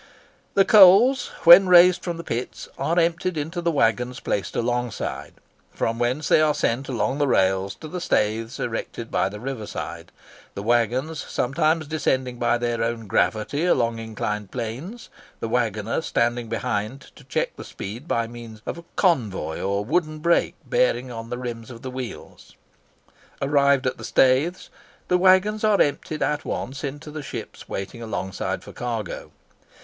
The coals, when raised from the pits, are emptied into the waggons placed alongside, from whence they are sent along the rails to the staiths erected by the river side, the waggons sometimes descending by their own gravity along inclined planes, the waggoner standing behind to check the speed by means of a convoy or wooden brake bearing upon the rims of the wheels. Arrived at the staiths, the waggons are emptied at once into the ships waiting alongside for cargo.